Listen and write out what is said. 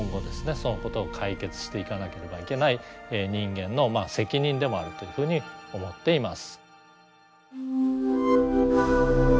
そのことを解決していかなければいけない人間の責任でもあるというふうに思っています。